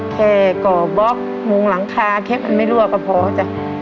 ก่อบล็อกมุงหลังคาแค่มันไม่รั่วก็พอจ้ะ